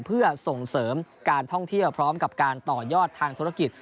เพื่อส่งเสริมการท่องเที่ยวพร้อมกับการต่อยอดทางธุรกิจ